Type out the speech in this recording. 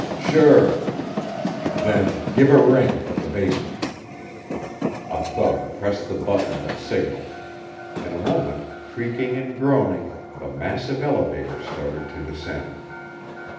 "Sure." "Then give a ring for the basement." A thug pressed the button that signaled. In a moment, creaking and groaning, the massive elevator started to descend.